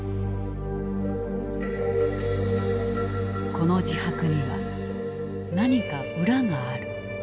この自白には何か裏がある。